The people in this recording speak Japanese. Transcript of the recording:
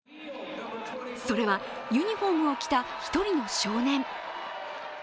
それは、ユニフォームを着た１人の少年。